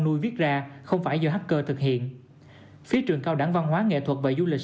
nuôi viết ra không phải do hacker thực hiện phía trường cao đẳng văn hóa nghệ thuật và du lịch